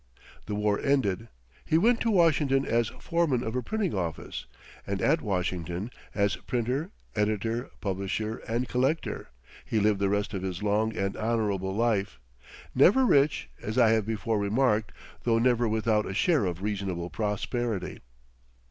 The war ended. He went to Washington as foreman of a printing office, and at Washington, as printer, editor, publisher and collector, he lived the rest of his long and honorable life; never rich, as I have before remarked, though never without a share of reasonable prosperity.